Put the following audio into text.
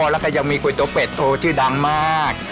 แล้วก็ยังมีก๋วยเตี๋เป็ดโทชื่อดังมาก